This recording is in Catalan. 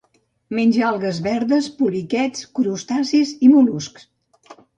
Menja algues verdes, poliquets, crustacis i mol·luscs.